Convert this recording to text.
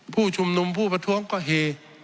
ผู้ชุมนุมผู้ประท้วงก็เฮ